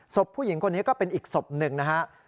ผู้หญิงคนนี้ก็เป็นอีกศพหนึ่งนะฮะ